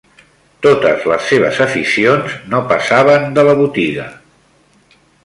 Totes les seves aficions, no passaven de la botiga.